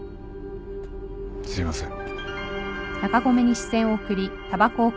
すいません。